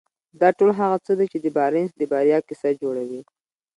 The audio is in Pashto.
دا ټول هغه څه دي چې د بارنس د بريا کيسه جوړوي.